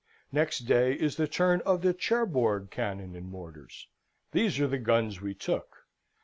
Next day is the turn of the Cherbourg cannon and mortars. These are the guns we took.